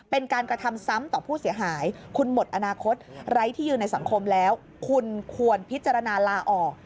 เป็นการกระทำซ้ำต่อผู้เสียหายคุณหมดอนาคตไร้ที่ยืนในสังคมแล้วคุณควรพิจารณาลาออก